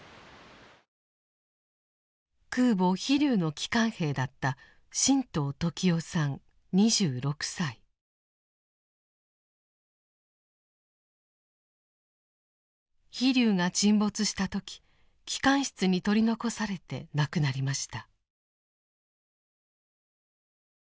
空母「飛龍」の機関兵だった「飛龍」が沈没した時機関室に取り残されて亡くなりました。